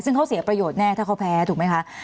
ซึ่งเขาเสียประโยชน์แน่ถ้าเขาแพ้ถูกไหมคะ